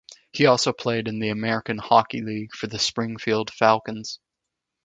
He also played in the American Hockey League for the Springfield Falcons.